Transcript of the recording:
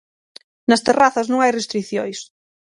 Nas terrazas non hai restricións.